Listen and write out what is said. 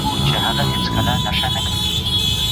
د لیکلو زده کړه په کوچنیوالي کي پیلیږي.